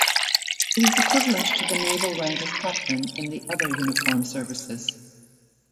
It is equivalent to the naval rank of captain in the other uniformed services.